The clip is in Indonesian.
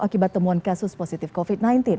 akibat temuan kasus positif covid sembilan belas